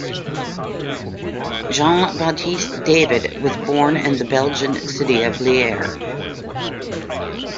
Jean-Baptist David was born in the Belgian city of Lier.